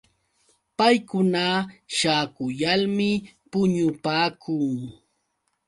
Paykuna śhaakuyalmi puñupaakun.